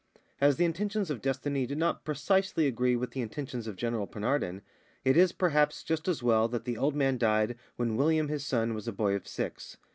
As the intentions of destiny did not precisely agree with the intentions of General Penarden, it is, perhaps, just as well that the old man died when William, his son, was a boy of six.